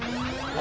あ